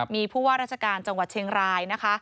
มีผู้ว่าราชการจังหวัดเชียงรายนะคะ